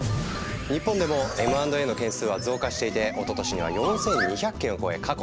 日本でもＭ＆Ａの件数は増加していておととしには４，２００件を超え過去最高を記録。